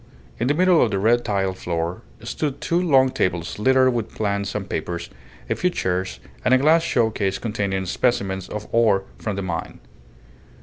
In the middle of the red tiled floor stood two long tables littered with plans and papers, a few chairs, and a glass show case containing specimens of ore from the mine.